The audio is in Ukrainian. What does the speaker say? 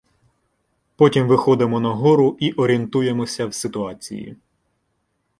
Потім виходимо нагору і орієнтуємося в ситуації.